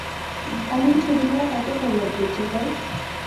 তাহলে ছবি গুলা কাকে ফরওয়ার্ড করছে, স্যার।